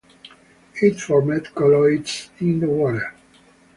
It formed colloids in the water.